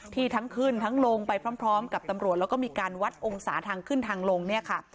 ทั้งขึ้นทั้งลงไปพร้อมกับตำรวจแล้วก็มีการวัดองศาทางขึ้นทางลงเนี่ยค่ะ